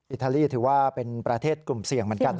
อิตาลีถือว่าเป็นประเทศกลุ่มเสี่ยงเหมือนกัน